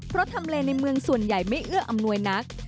เพราะทำเลในเมืองส่วนใหญ่ไม่เอื้ออำนวยนัก